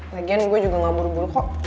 lagian gue juga gak buru buru kok